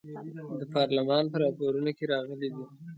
د پارلمان په راپورونو کې راغلي دي.